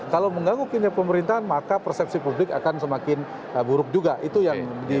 kalau mengganggu kinerja pemerintahan maka persepsi publik akan semakin buruk juga